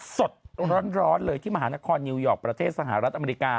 สดร้อนเลยที่มหานครนิวยอร์กประเทศสหรัฐอเมริกา